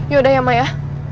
yaudah ya ma ya